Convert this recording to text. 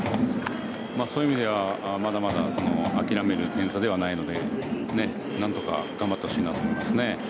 そういう意味ではまだまだ諦める点差ではないので何とか頑張ってほしいと思います。